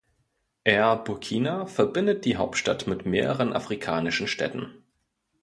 Air Burkina verbindet die Hauptstadt mit mehreren afrikanischen Städten.